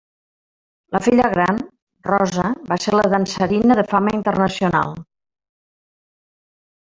La filla gran, Rosa, va ser la dansarina de fama internacional.